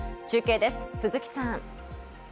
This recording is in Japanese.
中継です、鈴木さん。